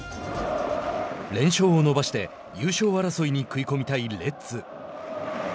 連勝を伸ばして優勝争いに食い込みたいレッズ。